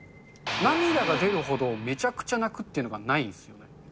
涙が出るほど、めちゃくちゃ泣くっていうのがないんですよ。